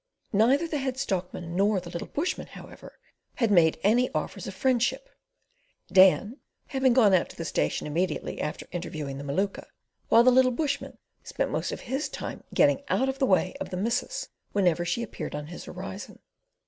Neither the Head Stockman nor the little bushman, however, had made any offers of friendship, Dan having gone out to the station immediately after interviewing the Maluka, while the little bushman spent most of his time getting out of the way of the missus whenever she appeared on his horizon.